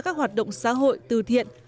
các hoạt động xã hội từ thiện